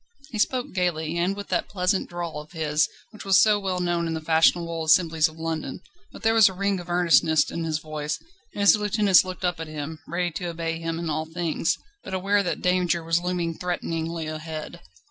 He spoke gaily, and with that pleasant drawl of his which was so well known in the fashionable assemblies of London; but there was a ring of earnestness in his voice, and his lieutenants looked up at him, ready to obey him in all things, but aware that danger was looming threateningly ahead.